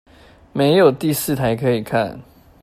沒有第四台可以看